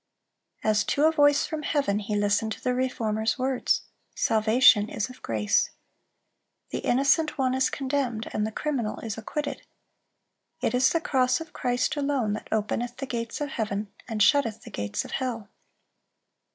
As to a voice from heaven, he listened to the Reformer's words: "Salvation is of grace." "The Innocent One is condemned, and the criminal is acquitted." "It is the cross of Christ alone that openeth the gates of heaven, and shutteth the gates of hell."